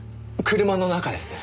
車の中ですか？